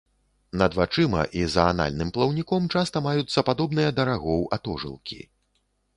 Над вачыма, і за анальным плаўніком часта маюцца падобныя да рагоў атожылкі.